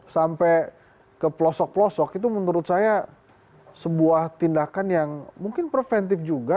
sampai ke pelosok pelosok itu menurut saya sebuah tindakan yang mungkin preventif juga